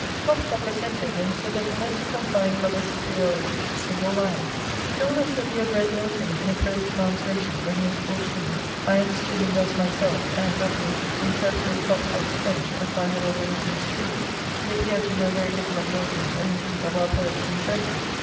Klopstock assented, and said that he meant to confine Glover's superiority to single lines. He told us that he had read Milton, in a prose translation, when he was fourteen . I understood him thus myself, and W interpreted Klopstock's French as I had already construed it. He appeared to know very little of Milton or indeed of our poets in general.